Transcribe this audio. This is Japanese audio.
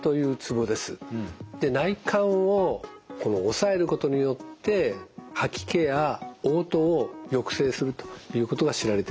内関を押さえることによって吐き気やおう吐を抑制するということが知られています。